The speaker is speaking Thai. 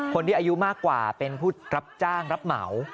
คนที่อายุมากกว่าเป็นผู้รับจ้างรับเหมา